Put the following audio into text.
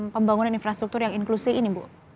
pembangunan infrastruktur yang inklusif ini bu